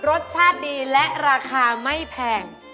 รสชาติดีและราคาไม่แพง